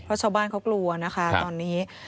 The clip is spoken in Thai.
เพราะชาวบ้านเขากลัวนะคะตอนนี้